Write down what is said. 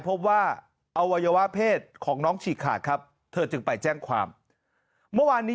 พบว่าอวัยวะเพศของน้องฉีกขาดครับเธอจึงไปแจ้งความเมื่อวานนี้